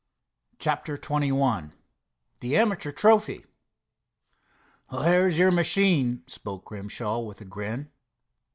CHAPTER XXI THE AMATEUR TROPHY "There's your machine," spoke Grimshaw, with a grin.